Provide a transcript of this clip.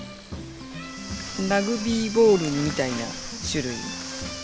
ラグビーボールみたいな種類。